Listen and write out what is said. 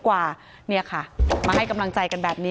การแก้เคล็ดบางอย่างแค่นั้นเอง